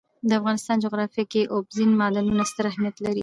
د افغانستان جغرافیه کې اوبزین معدنونه ستر اهمیت لري.